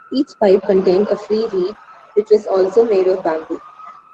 Each pipe contained a free reed, which was also made of bamboo.